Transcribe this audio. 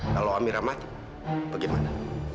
kalau amira mati bagaimana